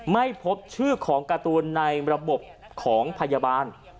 ไม่พบชื่อของการ์ตูนในระบบของพยาบาล